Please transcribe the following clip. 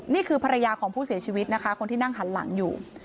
นี่คือภรรยาของผู้เสียชีวิตนะคะคนที่นั่งหันหลังอยู่